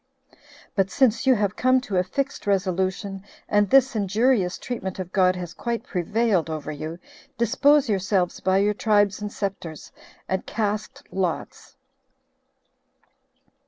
"But since you have come to a fixed resolution, and this injurious treatment of God has quite prevailed over you, dispose yourselves by your tribes and scepters, and cast lots."